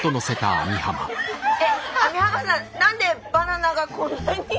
網浜さん何でバナナがこんなに。